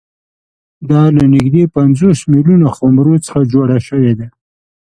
دا له نږدې پنځوس میلیونه خُمرو څخه جوړه شوې ده